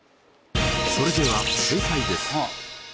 それでは正解です。